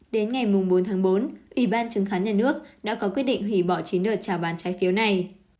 đến ngày bốn tháng bốn ủy ban chứng khoán nhà nước đã có quyết định hủy bỏ chín đợt trào bán trái phiếu này